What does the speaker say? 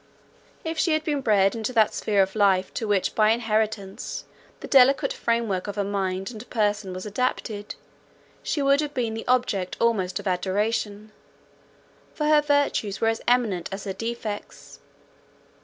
If she had been bred in that sphere of life to which by inheritance the delicate framework of her mind and person was adapted, she would have been the object almost of adoration, for her virtues were as eminent as her defects.